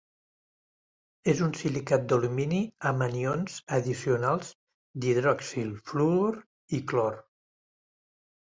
És un silicat d'alumini amb anions addicionals d'hidroxil, fluor i clor.